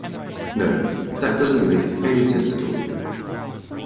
No, that doesn't make any sense at all.